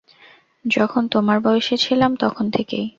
যখন তোমার বয়সী ছিলাম তখন থেকেই।